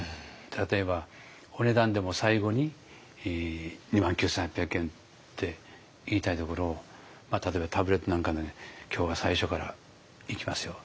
例えばお値段でも最後に２万９，８００円って言いたいところ例えばタブレットなんか「今日は最初からいきますよ